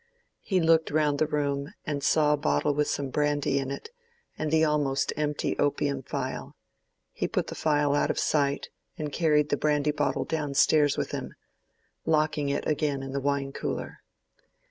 He looked round the room and saw a bottle with some brandy in it, and the almost empty opium phial. He put the phial out of sight, and carried the brandy bottle down stairs with him, locking it again in the wine cooler.